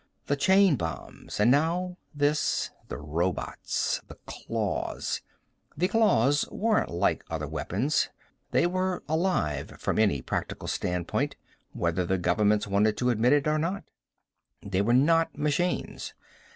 The chain bombs. And now this, the robots, the claws The claws weren't like other weapons. They were alive, from any practical standpoint, whether the Governments wanted to admit it or not. They were not machines.